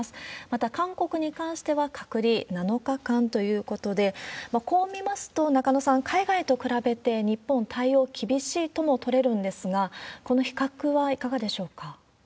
また、韓国に関しては隔離７日間ということで、こう見ますと、中野さん、海外と比べて日本、対応厳しいとも取れるんですが、この比較はいかがでしょうか？